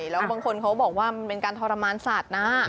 แล้วบางคนเขาบอกว่ามันเป็นการทรมานสัตว์นะ